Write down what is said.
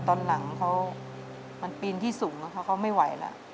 ตอนหลังเขามันปีนที่สูงเขาไม่ไหวแล้ว